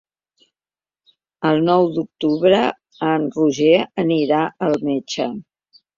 El nou d'octubre en Roger anirà al metge.